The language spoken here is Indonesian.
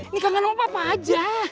ini kangen sama papa aja